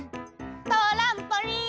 トランポリン！